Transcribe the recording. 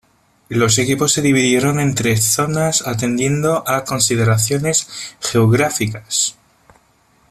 Los equipos se dividieron en tres zonas atendiendo a consideraciones geográficas.